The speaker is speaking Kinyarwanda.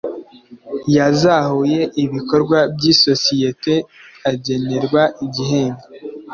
Yazahuye ibikorwa by isosiyete agenerwa igihembo